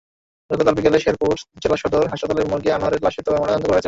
গতকাল বিকেলে শেরপুর জেলা সদর হাসপাতালের মর্গে আনোয়ারের লাশের ময়নাতদন্ত করা হয়েছে।